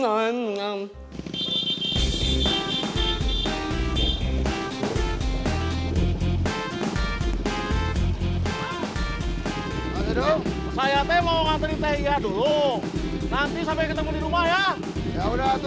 saya mau nanti sampai ketemu di rumah ya udah